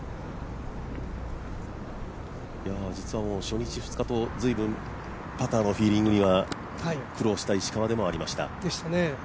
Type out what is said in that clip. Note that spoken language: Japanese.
実は初日、２日と随分、パターのフィーリングには苦労した石川でもありました。